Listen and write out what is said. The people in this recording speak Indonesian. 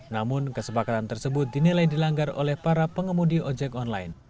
namun kesepakatan tersebut dinilai dilanggar oleh para pengemudi ojek online